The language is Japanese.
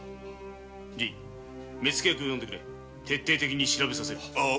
じい目付役を呼んでくれ徹底的に調べさせよう。